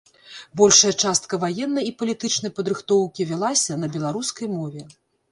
Большая частка ваеннай і палітычнай падрыхтоўкі вялася на беларускай мове.